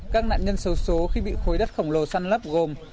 các nạn nhân sâu số khi bị khối đất khổng lồ săn lấp gồm